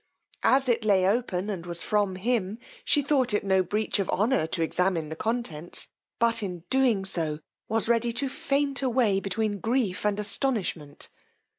As it lay open and was from him, she thought it no breach of honour to examine the contents, but in doing so was ready to faint away between grief and astonishment.